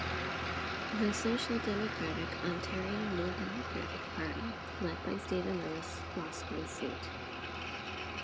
The social democratic Ontario New Democratic Party, led by Stephen Lewis, lost one seat.